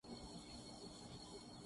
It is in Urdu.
پیر سے میرے پیپر شروع ہورہے ھیںـ